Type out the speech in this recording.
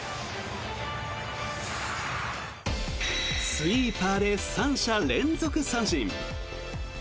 スイーパーで３者連続三振。